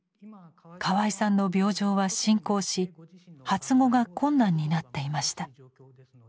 河合さんの病状は進行し発語が困難になっていました。